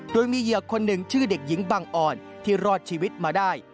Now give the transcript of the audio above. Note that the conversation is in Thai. โดยมีเหยื่อคนหนึ่งชื่อเด็กหญิงบังอ่อนที่รอดชีวิตมาได้